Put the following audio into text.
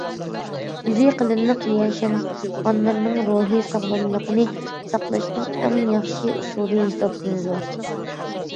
يۈزى قېلىنلىق ياشانغانلارنىڭ روھىي ساغلاملىقىنى ساقلاشنىڭ ئەڭ ياخشى ئۇسۇلى ھېسابلىنىدۇ.